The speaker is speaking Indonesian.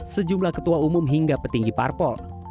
sejumlah ketua umum hingga petinggi parpol